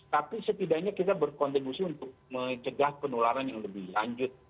tapi setidaknya kita berkontribusi untuk mencegah penularan yang lebih lanjut